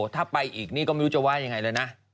ถ้าไปอีกนี่ก็ไม่รู้จะว่ายังไงเลยนะ